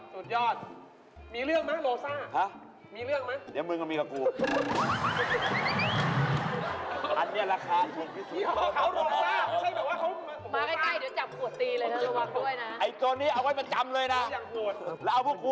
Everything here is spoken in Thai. สุดยอดมีเรื่องมั้ยโรซ่ามีเรื่องมั้ยเดี๋ยวมึงกับมีกับกู